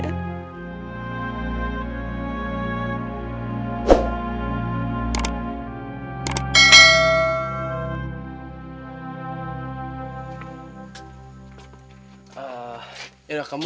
eh lah kamu